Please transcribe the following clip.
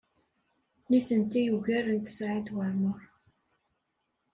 Nitenti ugarent Saɛid Waɛmaṛ.